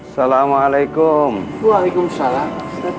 selama alaikum waalaikumsalam